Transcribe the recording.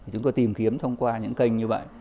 chúng tôi tìm kiếm thông qua những kênh như vậy